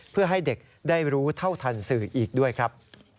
เพื่อให้เด็กได้รู้เท่าทันสื่ออีกด้วยครับ